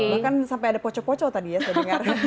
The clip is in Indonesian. bahkan sampai ada pocok pocok tadi ya saya dengar